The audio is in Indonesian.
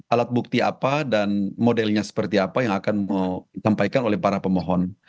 alat bukti apa dan modelnya seperti apa yang akan disampaikan oleh para pemohon